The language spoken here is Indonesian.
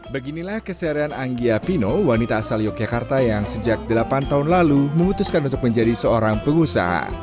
beginilah keseharian anggia pino wanita asal yogyakarta yang sejak delapan tahun lalu memutuskan untuk menjadi seorang pengusaha